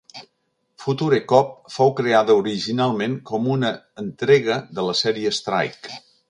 "Future Cop" fou creada originalment com una entrega de la sèrie "Strike".